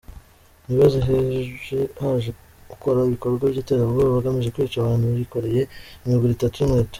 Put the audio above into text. Mwibaze haje ukora ibikorwa by’iterabwoba agamije kwica abantu yikoreye imiguru itatu y’inkweto.